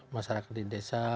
masyarakat di desa